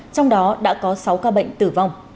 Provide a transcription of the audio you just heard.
trong đó đã có sáu ca bệnh tử vong